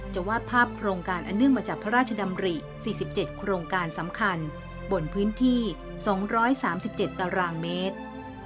วาดภาพโครงการอันเนื่องมาจากพระราชดำริ๔๗โครงการสำคัญบนพื้นที่๒๓๗ตารางเมตร